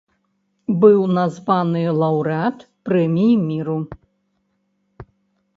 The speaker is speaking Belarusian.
Быў названы лаўрэат прэміі міру.